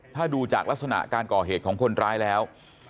ถ้าดูจากลักษณะการก่อเหตุของคนร้ายแล้ว